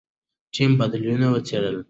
ټیم بدیلونه وڅېړل.